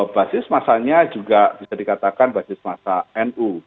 basis masanya juga bisa dikatakan basis masa nu